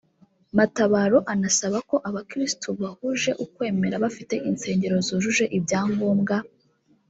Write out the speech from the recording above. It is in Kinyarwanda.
Matabaro anasaba ko abakirisitu bahuje ukwemera bafite insengero zujuje ibyangombwa